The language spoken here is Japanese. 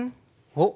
おっ！